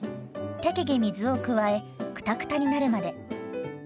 適宜水を加えクタクタになるまで。